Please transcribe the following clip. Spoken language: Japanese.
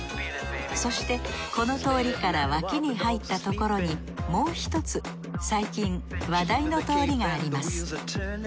そしてこの通りから脇に入ったところにもう一つ最近話題の通りがあります。